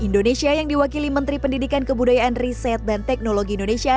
indonesia yang diwakili menteri pendidikan kebudayaan riset dan teknologi indonesia